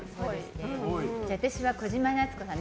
私は小島奈津子さん。